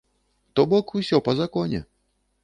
То бок, усё па законе.